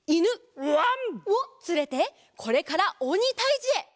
わん！をつれてこれからおにたいじへ！